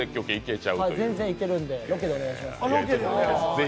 全然いけるんで、ロケでお願いします。